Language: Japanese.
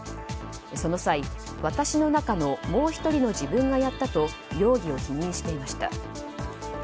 その際、私の中のもう１人の自分がやったと容疑を否認していました。